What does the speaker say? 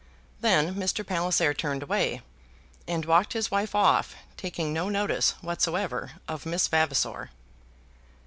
Then Mr. Palliser turned away, and walked his wife off, taking no notice whatsoever of Miss Vavasor.